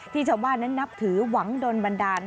ชาวบ้านนั้นนับถือหวังโดนบันดาล